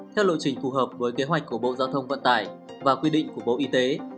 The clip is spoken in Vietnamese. theo lộ trình phù hợp với kế hoạch của bộ giao thông vận tải và quy định của bộ y tế